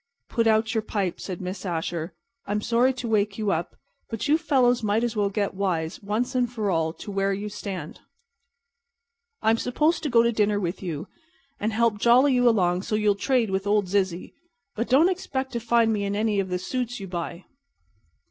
"Put out your pipe," said Miss Asher. "I'm sorry to wake you up, but you fellows might as well get wise, once for all, to where you stand. I'm supposed to go to dinner with you and help jolly you along so you'll trade with old Zizzy, but don't expect to find me in any of the suits you buy."